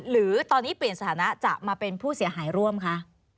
หรือตอนนี้เปลี่ยนสถานะจะมาเป็นผู้เสียหายร่วมคะ